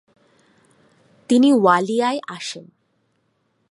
তিনি ওয়ালিলায় আসেন।